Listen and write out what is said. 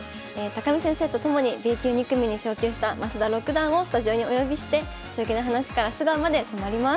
見先生と共にＢ級２組に昇級した増田六段をスタジオにお呼びして将棋の話から素顔まで迫ります。